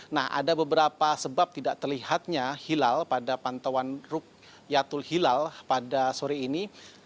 nah ada beberapa sebab tidak terlihatnya hilal pada pantauan rukyatul hilal pada sore ini